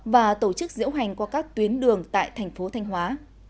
và tổ chức diễu hành qua các tuyến đường tại thành phố thanh hóa